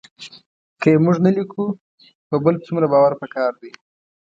که یې موږ نه لیکو په بل څومره باور پکار دی